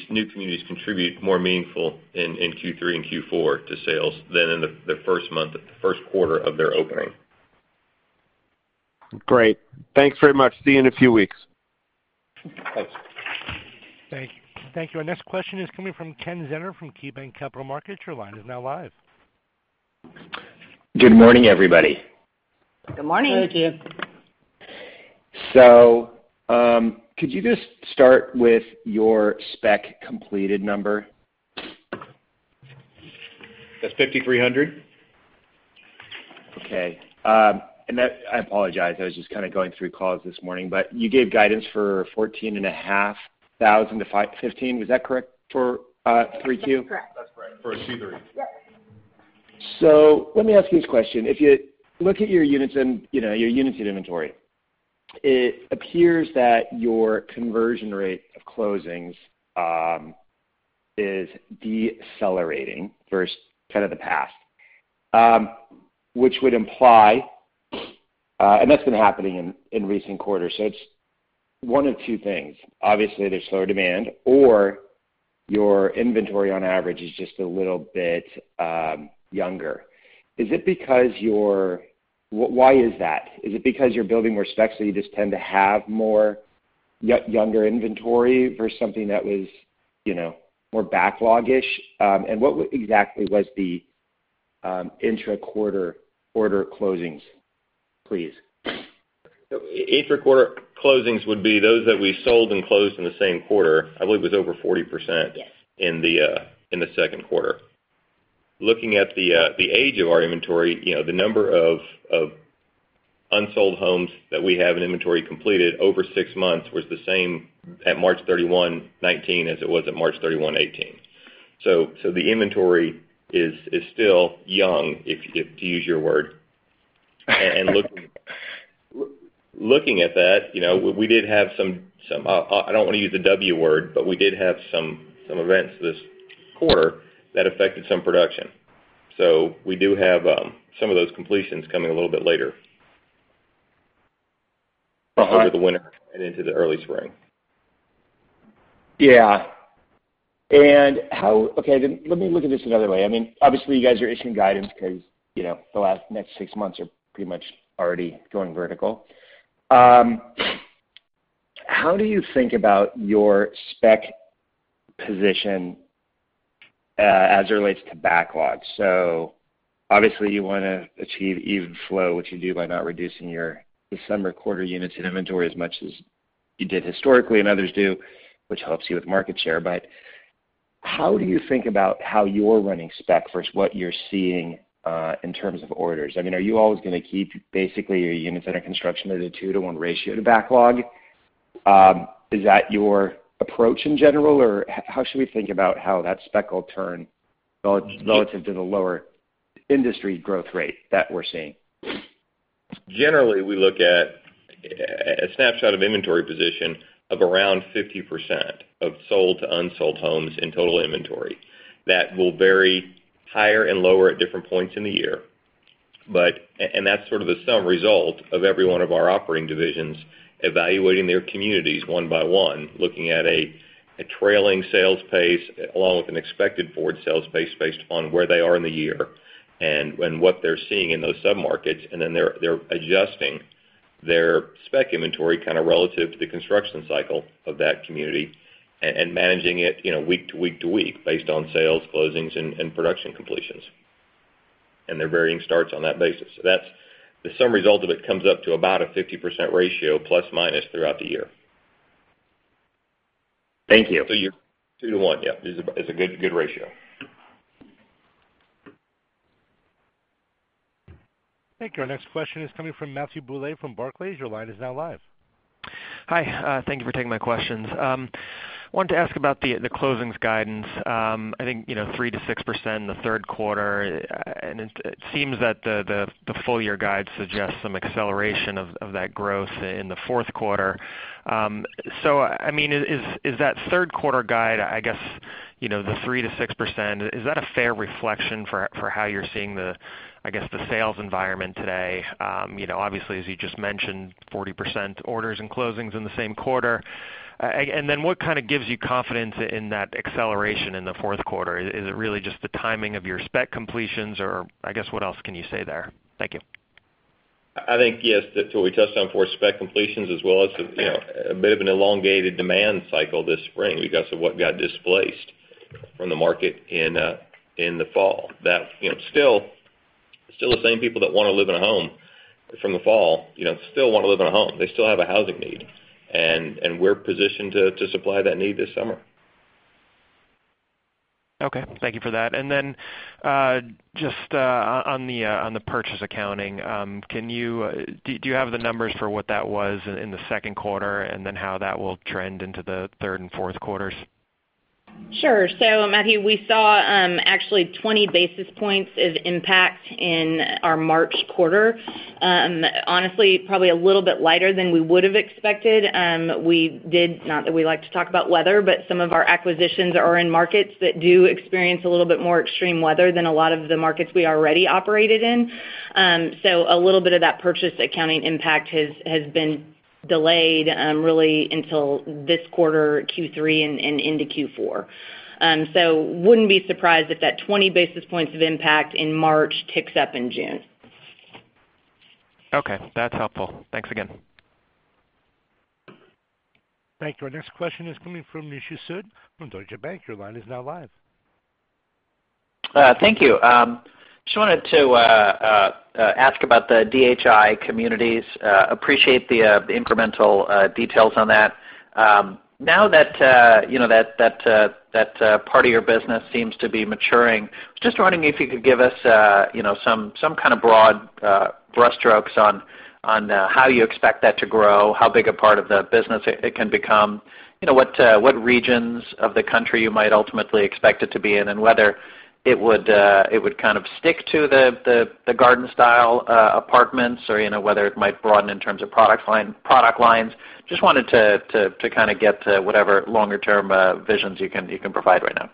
new communities contribute more meaningful in Q3 and Q4 to sales than in the first quarter of their opening. Great. Thanks very much. See you in a few weeks. Thanks. Thank you. Thank you. Our next question is coming from Kenneth Zener from KeyBanc Capital Markets. Your line is now live. Good morning, everybody. Good morning. Good morning. Could you just start with your spec completed number? That's 5,300. Okay. I apologize. I was just kind of going through calls this morning, but you gave guidance for 14,500 to 15. Was that correct for 3Q? That's correct. That's correct. For Q3. Yes. Let me ask you this question. If you look at your units and your units in inventory, it appears that your conversion rate of closings is decelerating versus kind of the past, and that's been happening in recent quarters. It's one of two things. Obviously, there's slower demand or your inventory on average is just a little bit younger. Why is that? Is it because you're building more specs, so you just tend to have more younger inventory versus something that was more backlog-ish? What exactly was the intra-quarter order closings, please? Intra-quarter closings would be those that we sold and closed in the same quarter. I believe it was over 40%- Yes in the second quarter. Looking at the age of our inventory, the number of unsold homes that we have in inventory completed over six months was the same at March 31, 2019, as it was at March 31, 2018. The inventory is still young, if to use your word. Looking at that, we did have some, I don't want to use the W word, but we did have some events this quarter that affected some production. We do have some of those completions coming a little bit later over the winter and into the early spring. Yeah. Okay, let me look at this another way. Obviously, you guys are issuing guidance because the next six months are pretty much already going vertical. How do you think about your spec position as it relates to backlog? Obviously you want to achieve even flow, which you do by not reducing your December quarter units in inventory as much as you did historically and others do, which helps you with market share, but how do you think about how you're running spec versus what you're seeing in terms of orders? Are you always going to keep basically your units under construction at a two to one ratio to backlog? Is that your approach in general, or how should we think about how that spec will turn relative to the lower industry growth rate that we're seeing? Generally, we look at a snapshot of inventory position of around 50% of sold to unsold homes in total inventory. That will vary higher and lower at different points in the year. That's sort of the sum result of every one of our operating divisions evaluating their communities one by one, looking at a trailing sales pace, along with an expected forward sales pace based upon where they are in the year, and what they're seeing in those sub-markets. Then they're adjusting their spec inventory kind of relative to the construction cycle of that community, and managing it week to week based on sales, closings, and production completions. They're varying starts on that basis. The sum result of it comes up to about a 50% ratio, plus/minus, throughout the year. Thank you. You're two to one. Yeah. It's a good ratio. Thank you. Our next question is coming from Matthew Bouley from Barclays. Your line is now live. Hi. Thank you for taking my questions. I wanted to ask about the closings guidance. I think 3%-6% in the third quarter, it seems that the full year guide suggests some acceleration of that growth in the fourth quarter. Is that third quarter guide, I guess, the 3%-6%, is that a fair reflection for how you're seeing the sales environment today? Obviously, as you just mentioned, 40% orders and closings in the same quarter. What kind of gives you confidence in that acceleration in the fourth quarter? Is it really just the timing of your spec completions, or I guess, what else can you say there? Thank you. I think, yes, to what we touched on before, spec completions, as well as a bit of an elongated demand cycle this spring because of what got displaced from the market in the fall. Still the same people that want to live in a home from the fall, still want to live in a home. They still have a housing need, and we're positioned to supply that need this summer. Okay, thank you for that. Just on the purchase accounting, do you have the numbers for what that was in the second quarter, and then how that will trend into the third and fourth quarters? Sure. Matthew, we saw actually 20 basis points of impact in our March quarter. Honestly, probably a little bit lighter than we would have expected. Not that we like to talk about weather, but some of our acquisitions are in markets that do experience a little bit more extreme weather than a lot of the markets we already operated in. A little bit of that purchase accounting impact has been delayed really until this quarter, Q3, and into Q4. Wouldn't be surprised if that 20 basis points of impact in March ticks up in June. Okay, that's helpful. Thanks again. Thank you. Our next question is coming from Nishu Sood from Deutsche Bank. Your line is now live. Thank you. Just wanted to ask about the DHI Communities. Appreciate the incremental details on that. Now that that part of your business seems to be maturing, just wondering if you could give us some kind of broad brushstrokes on how you expect that to grow, how big a part of the business it can become, what regions of the country you might ultimately expect it to be in, and whether it would kind of stick to the garden-style apartments, or whether it might broaden in terms of product lines. Just wanted to kind of get whatever longer-term visions you can provide right now.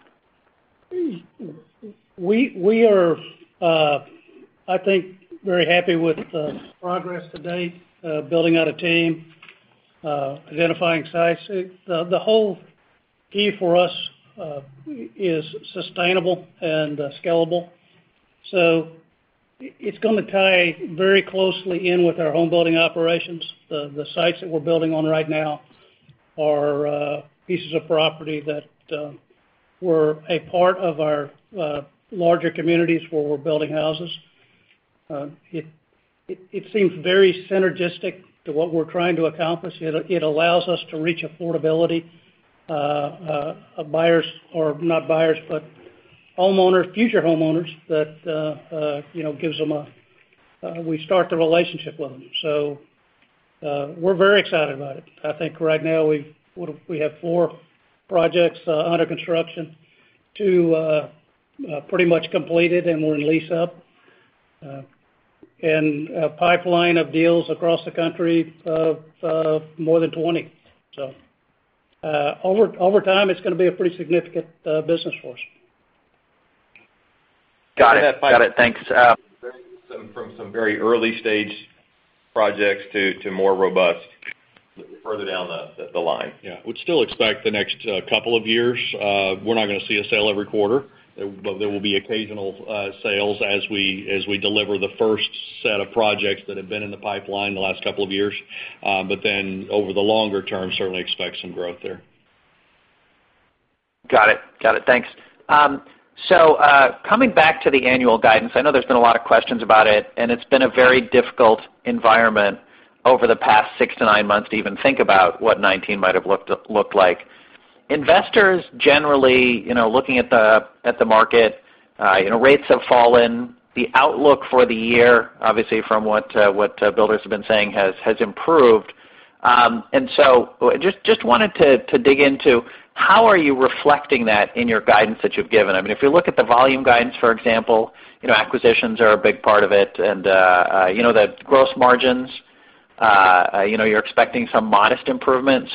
We are, I think, very happy with the progress to date, building out a team, identifying sites. The whole key for us is sustainable and scalable. It's going to tie very closely in with our homebuilding operations. The sites that we're building on right now are pieces of property that were a part of our larger communities where we're building houses. It seems very synergistic to what we're trying to accomplish. It allows us to reach affordability of buyers, or not buyers, but future homeowners. We start the relationship with them. We're very excited about it. I think right now, we have four projects under construction, two pretty much completed and we're in lease up. A pipeline of deals across the country of more than 20. Over time, it's going to be a pretty significant business for us. Got it. Thanks. From some very early-stage projects to more robust further down the line. Would still expect the next couple of years, we are not going to see a sale every quarter. There will be occasional sales as we deliver the first set of projects that have been in the pipeline the last couple of years. Over the longer term, certainly expect some growth there. Got it. Thanks. Coming back to the annual guidance, I know there has been a lot of questions about it, and it has been a very difficult environment over the past six to nine months to even think about what 2019 might have looked like. Investors generally, looking at the market, rates have fallen. The outlook for the year, obviously from what builders have been saying, has improved. Just wanted to dig into how are you reflecting that in your guidance that you have given? If you look at the volume guidance, for example, acquisitions are a big part of it, and the gross margins, you are expecting some modest improvement.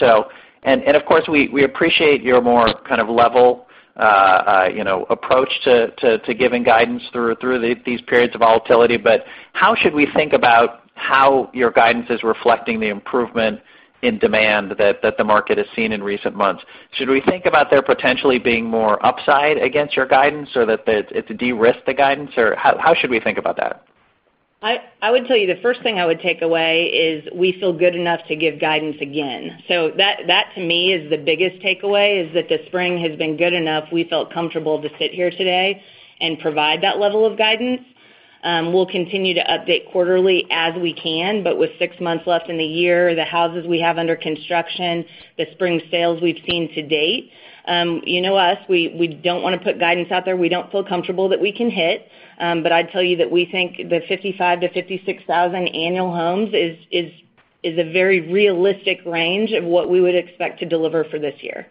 And of course, we appreciate your more level approach to giving guidance through these periods of volatility, how should we think about how your guidance is reflecting the improvement in demand that the market has seen in recent months? Should we think about there potentially being more upside against your guidance, or that it is a de-risk the guidance? How should we think about that? I would tell you the first thing I would take away is we feel good enough to give guidance again. That to me is the biggest takeaway, is that the spring has been good enough. We felt comfortable to sit here today and provide that level of guidance. We'll continue to update quarterly as we can, but with six months left in the year, the houses we have under construction, the spring sales we've seen to date. You know us, we don't want to put guidance out there we don't feel comfortable that we can hit. I'd tell you that we think the 55,000 to 56,000 annual homes is a very realistic range of what we would expect to deliver for this year.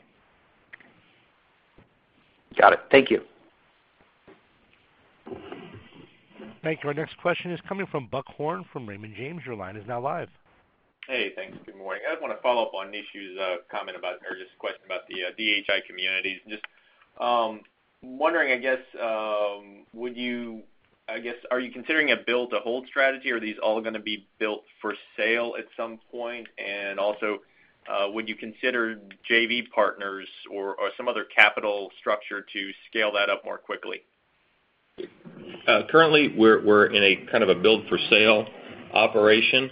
Got it. Thank you. Thank you. Our next question is coming from Buck Horne from Raymond James. Your line is now live. Hey, thanks. Good morning. I just want to follow up on Nishu's comment about, or just a question about the DHI Communities, or just wondering, are you considering a build-to-hold strategy, or are these all going to be built for sale at some point? Would you consider JV partners or some other capital structure to scale that up more quickly? Currently, we're in a build-for-sale operation.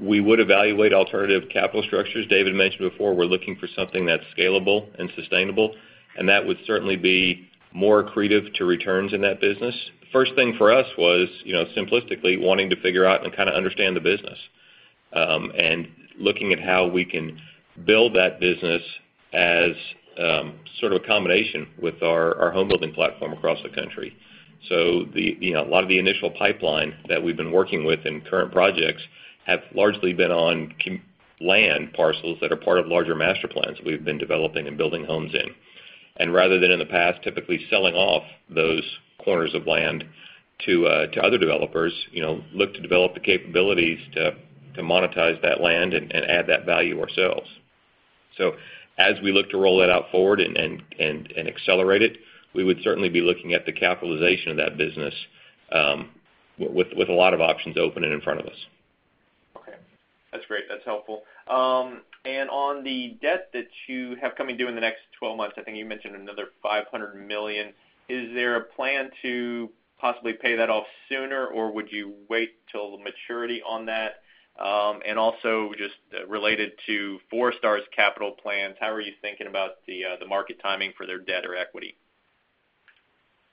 We would evaluate alternative capital structures. David mentioned before we're looking for something that's scalable and sustainable, and that would certainly be more accretive to returns in that business. First thing for us was simplistically wanting to figure out and kind of understand the business, looking at how we can build that business as sort of a combination with our homebuilding platform across the country. A lot of the initial pipeline that we've been working with in current projects have largely been on land parcels that are part of larger master plans we've been developing and building homes in. Rather than in the past, typically selling off those corners of land to other developers, look to develop the capabilities to monetize that land and add that value ourselves. As we look to roll that out forward and accelerate it, we would certainly be looking at the capitalization of that business with a lot of options open and in front of us. Okay. That's great. That's helpful. On the debt that you have coming due in the next 12 months, I think you mentioned another $500 million. Is there a plan to possibly pay that off sooner, or would you wait till the maturity on that? Also just related to Forestar's capital plans, how are you thinking about the market timing for their debt or equity?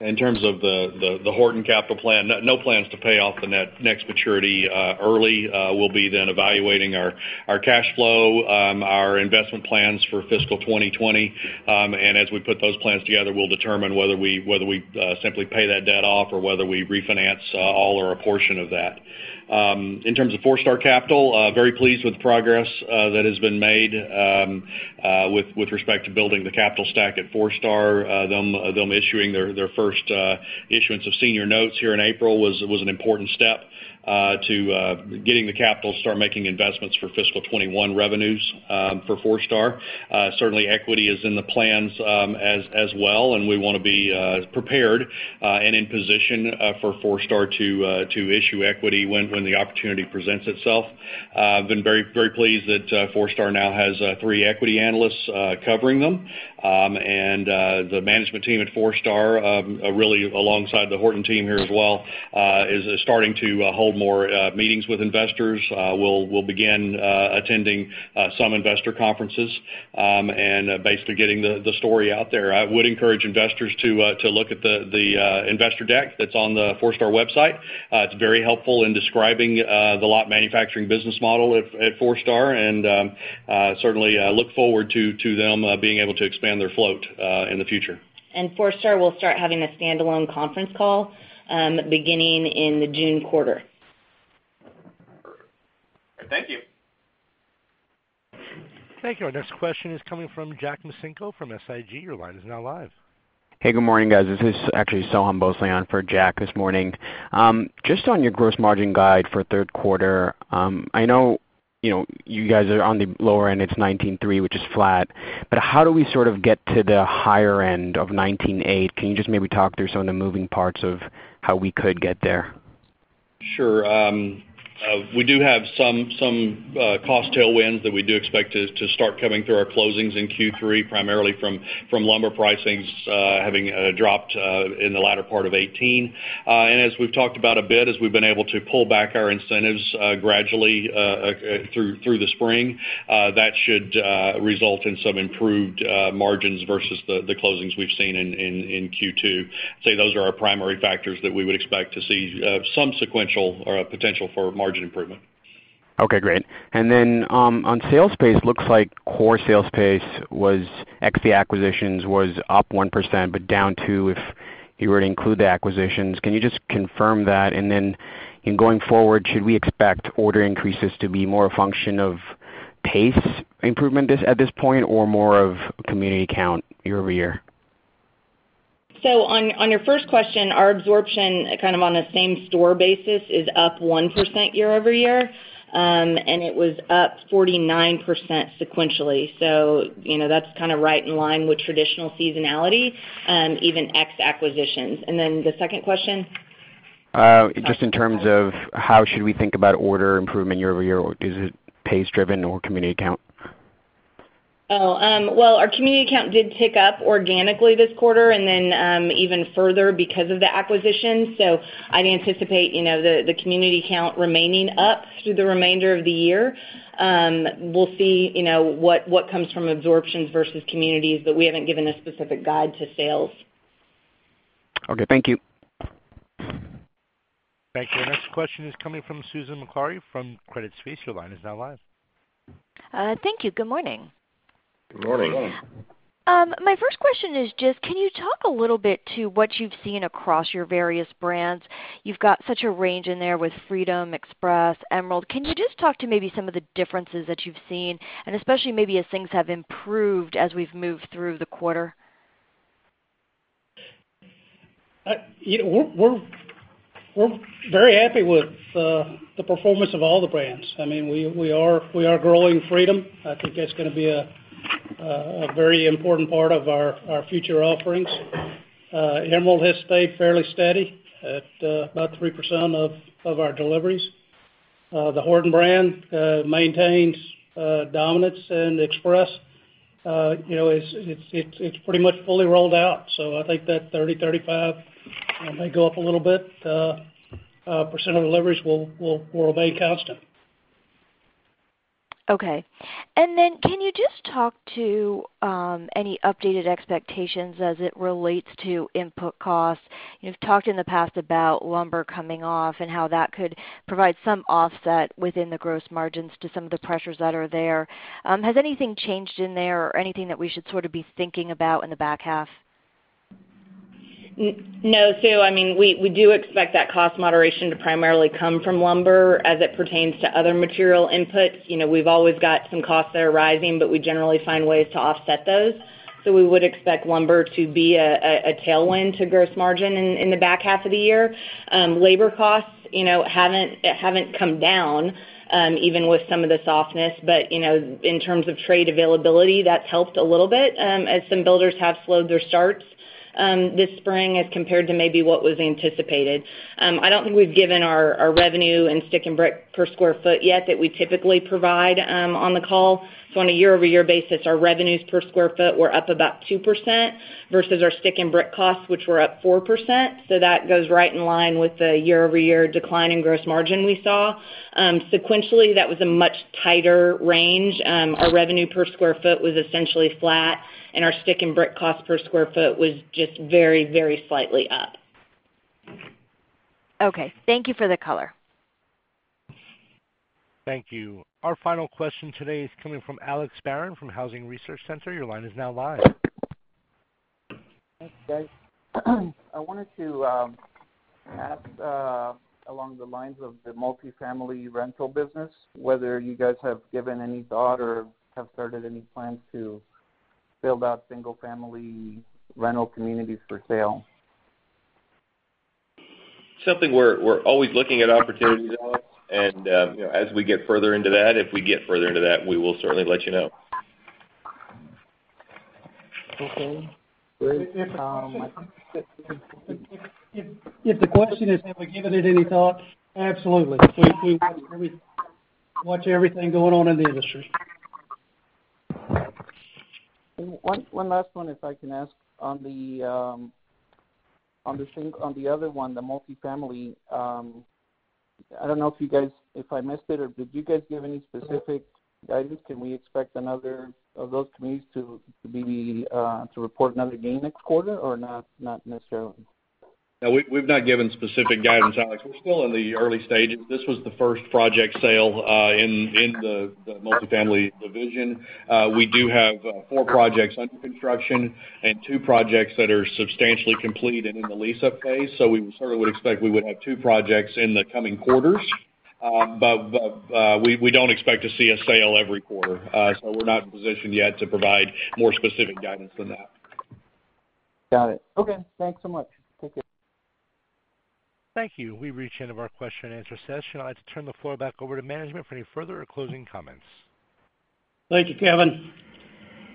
In terms of the Horton capital plan, no plans to pay off the next maturity early. We'll be then evaluating our cash flow, our investment plans for fiscal 2020. As we put those plans together, we'll determine whether we simply pay that debt off or whether we refinance all or a portion of that. In terms of Forestar Capital, very pleased with the progress that has been made with respect to building the capital stack at Forestar. Them issuing their first issuance of senior notes here in April was an important step to getting the capital to start making investments for fiscal 2021 revenues for Forestar. Certainly, equity is in the plans as well. We want to be prepared and in position for Forestar to issue equity when the opportunity presents itself. I've been very pleased that Forestar now has three equity analysts covering them. The management team at Forestar, really alongside the Horton team here as well, is starting to hold more meetings with investors. We'll begin attending some investor conferences, and basically getting the story out there. I would encourage investors to look at the investor deck that's on the forestar website. It's very helpful in describing the lot manufacturing business model at Forestar, and certainly look forward to them being able to expand their float in the future. Forestar will start having a standalone conference call beginning in the June quarter. Thank you. Thank you. Our next question is coming from Jack Micenko from SIG. Your line is now live. Hey, good morning, guys. This is actually Sam Bose on for Jack this morning. Just on your gross margin guide for third quarter, I know you guys are on the lower end, it's 19.3, which is flat. How do we sort of get to the higher end of 19.8? Can you just maybe talk through some of the moving parts of how we could get there? Sure. We do have some cost tailwinds that we do expect to start coming through our closings in Q3, primarily from lumber pricings having dropped in the latter part of 2018. As we've talked about a bit, as we've been able to pull back our incentives gradually through the spring, that should result in some improved margins versus the closings we've seen in Q2. I'd say those are our primary factors that we would expect to see some sequential potential for margin improvement. Okay, great. On sales pace, it looks like core sales pace was ex the acquisitions was up 1%, but down 2% if you were to include the acquisitions. Can you just confirm that? In going forward, should we expect order increases to be more a function of pace improvement at this point, or more of community count year-over-year? On your first question, our absorption on a same-store basis is up 1% year-over-year. It was up 49% sequentially. That's right in line with traditional seasonality, even ex acquisitions. The second question? Just in terms of how should we think about order improvement year-over-year? Is it pace driven or community count? Oh, well, our community count did tick up organically this quarter, and then even further because of the acquisition. I'd anticipate the community count remaining up through the remainder of the year. We'll see what comes from absorptions versus communities, but we haven't given a specific guide to sales. Okay, thank you. Thank you. The next question is coming from Susan Maklari from Credit Suisse. Your line is now live. Thank you. Good morning. Good morning. My first question is just, can you talk a little bit to what you've seen across your various brands? You've got such a range in there with Freedom, Express, Emerald. Can you just talk to maybe some of the differences that you've seen, and especially maybe as things have improved as we've moved through the quarter? We're very happy with the performance of all the brands. We are growing Freedom. I think that's going to be a very important part of our future offerings. Emerald has stayed fairly steady at about 3% of our deliveries. The Horton brand maintains dominance. Express it's pretty much fully rolled out. I think that 30, 35 may go up a little bit. % of the leverage will remain constant. Okay. Can you just talk to any updated expectations as it relates to input costs? You've talked in the past about lumber coming off and how that could provide some offset within the gross margins to some of the pressures that are there. Has anything changed in there or anything that we should sort of be thinking about in the back half? No, Sue, we do expect that cost moderation to primarily come from lumber as it pertains to other material inputs. We've always got some costs that are rising, we generally find ways to offset those. We would expect lumber to be a tailwind to gross margin in the back half of the year. Labor costs haven't come down, even with some of the softness. In terms of trade availability, that's helped a little bit as some builders have slowed their starts this spring as compared to maybe what was anticipated. I don't think we've given our revenue and stick and brick per square foot yet that we typically provide on the call. On a year-over-year basis, our revenues per square foot were up about 2% versus our stick and brick costs, which were up 4%. That goes right in line with the year-over-year decline in gross margin we saw. Sequentially, that was a much tighter range. Our revenue per square foot was essentially flat, and our stick and brick cost per square foot was just very, very slightly up. Okay. Thank you for the color. Thank you. Our final question today is coming from Alex Barron from Housing Research Center. Your line is now live. Thanks, guys. I wanted to ask along the lines of the multifamily rental business, whether you guys have given any thought or have started any plans to build out single-family rental communities for sale? Something we're always looking at opportunities, Alex. As we get further into that, if we get further into that, we will certainly let you know. Okay, great. If the question is have we given it any thought? Absolutely. We watch everything going on in the industry. One last one, if I can ask. On the other one, the multifamily, I don't know if I missed it or did you guys give any specific guidance? Can we expect another of those communities to report another gain next quarter or not necessarily? No, we've not given specific guidance, Alex. We're still in the early stages. This was the first project sale in the multifamily division. We do have four projects under construction and two projects that are substantially complete and in the lease-up phase. We sort of would expect we would have two projects in the coming quarters. We don't expect to see a sale every quarter. We're not in a position yet to provide more specific guidance than that. Got it. Okay. Thanks so much. Take care. Thank you. We've reached the end of our question and answer session. I'd like to turn the floor back over to management for any further or closing comments. Thank you, Kevin.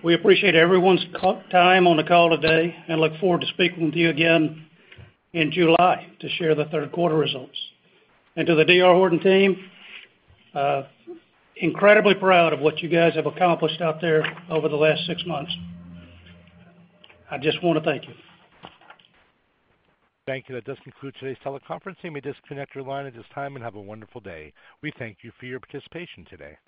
We appreciate everyone's time on the call today and look forward to speaking with you again in July to share the third quarter results. To the D.R. Horton team, incredibly proud of what you guys have accomplished out there over the last six months. I just want to thank you. Thank you. That does conclude today's teleconference. You may disconnect your line at this time, and have a wonderful day. We thank you for your participation today.